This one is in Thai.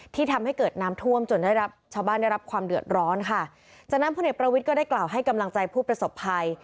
ทำให้เกิดน้ำท่วมจนได้รับชาวบ้านได้รับความเดือดร้อนค่ะจากนั้นพลเอกประวิทย์ก็ได้กล่าวให้กำลังใจผู้ประสบภัย